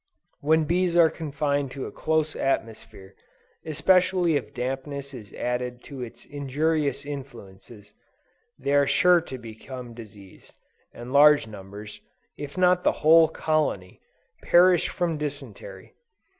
When bees are confined to a close atmosphere, especially if dampness is added to its injurious influences, they are sure to become diseased; and large numbers, if not the whole colony, perish from dysentery.